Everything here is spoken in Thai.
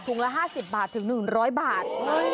ละ๕๐บาทถึง๑๐๐บาท